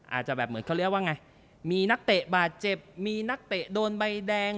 อาจจะแบบเหมือนเขาเรียกว่าไงมีนักเตะบาดเจ็บมีนักเตะโดนใบแดง